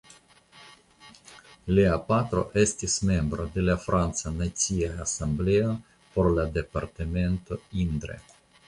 Lia patro estis membro de la franca Nacia Asembleo por la departemento Indre.